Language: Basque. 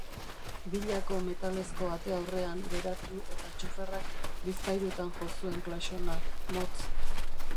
Villako metalezko ate aurrean geratu eta txoferrak bizpahirutan jo zuen klaxona, motz.